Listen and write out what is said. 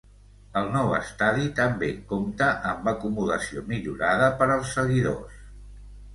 El nou estadi també compta amb acomodació millorada per als seguidors.